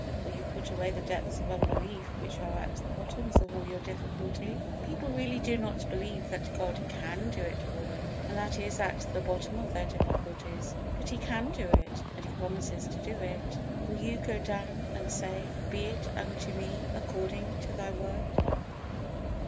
Will you put away the depths of unbelief which are at the bottom of all your difficulty? People really do not believe that God can do it for them, and that is at the bottom of their difficulties. But He can do it, and He promises to do it. Will you go down, and say, "Be it unto me according to Thy word"?